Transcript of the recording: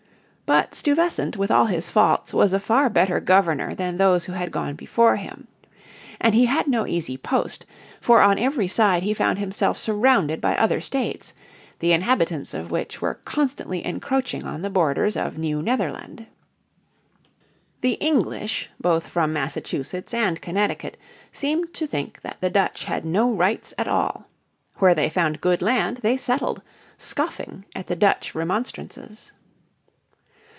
But Stuyvesant with all his faults was a far better Governor than those who had gone before him. And he had no easy post, for on every side he found himself surrounded by other States, the inhabitants of which were constantly encroaching on the borders of New Netherland. The English, both from Massachusetts and Connecticut, seemed to think that the Dutch had no rights at all. Where they found good land they settled, scoffing at the Dutch remonstrances.